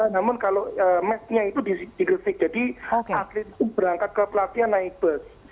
namun kalau match nya itu di gresik jadi atlet itu berangkat ke pelatihan naik bus